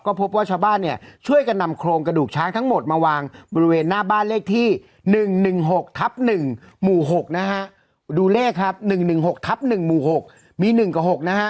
ก็พบว่าชาวบ้านเนี่ยช่วยกันนำโครงกระดูกช้างทั้งหมดมาวางบริเวณหน้าบ้านเลขที่๑๑๖ทับ๑หมู่๖นะฮะ